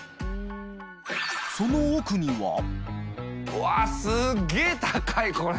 うわっすげぇ高いこれ。